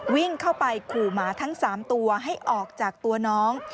วิ่งเข้าไปขู่หมาทั้ง๓ตัวให้ออกจากตัวน้อง